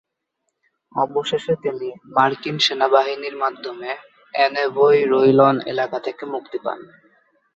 অবশেষে তিনি মার্কিন সেনাবাহিনীর মাধ্যমে অ্যানেভোই-রোইলন এলাকা থেকে মুক্তি পান।